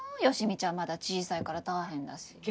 好美ちゃんまだ小さいから大変だし。